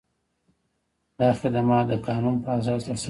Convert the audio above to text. دا خدمات د قانون په اساس ترسره کیږي.